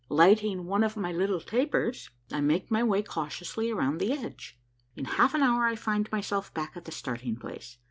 Lighting one of my little tapers, I make my way cautiously around the edge. In half an hour I find myself back at the starting place.